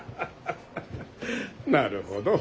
なるほど。